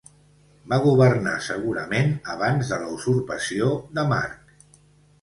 Va governar segurament abans de la usurpació de Marc.